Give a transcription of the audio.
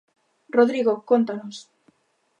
Rodrigo, cóntanos.